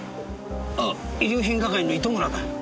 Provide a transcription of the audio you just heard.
あっ遺留品係の糸村だ。